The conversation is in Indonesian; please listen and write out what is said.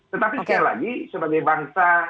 tetapi sekali lagi sebagai bangsa